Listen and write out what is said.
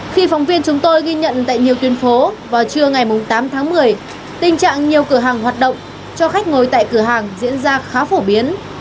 khi phóng viên chúng tôi ghi nhận tại nhiều tuyến phố vào trưa ngày tám tháng một mươi tình trạng nhiều cửa hàng hoạt động cho khách ngồi tại cửa hàng diễn ra khá phổ biến